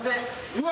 うわ。